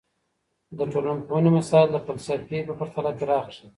د ټولنپوهني مسایل د فلسفې په پرتله پراخ دي.